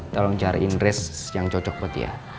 tolong cari dress yang cocok buat dia